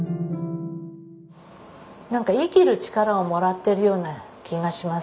なんか生きる力をもらってるような気がします